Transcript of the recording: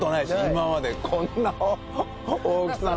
今までこんな大きさの。